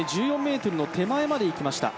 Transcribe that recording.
１４ｍの手前までいきました、